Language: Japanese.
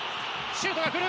シュートが来る。